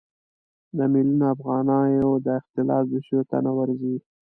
د میلیونونو افغانیو د اختلاس دوسیو ته نه ورځي.